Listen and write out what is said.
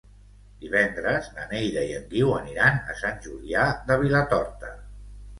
Divendres na Neida i en Guiu aniran a Sant Julià de Vilatorta.